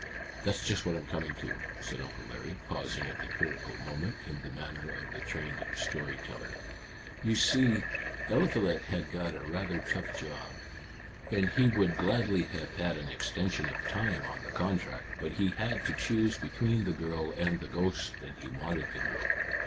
"That's just what I'm coming to," said Uncle Larry, pausing at the critical moment, in the manner of the trained story teller. "You see, Eliphalet had got a rather tough job, and he would gladly have had an extension of time on the contract, but he had to choose between the girl and the ghosts, and he wanted the girl.